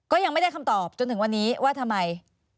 ก็ยังไม่ได้คำตอบจนถึงวันนี้ว่าทำไม